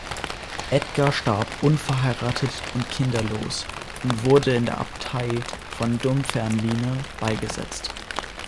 Edgar starb unverheiratet und kinderlos und wurde in der Abtei von Dunfermline beigesetzt.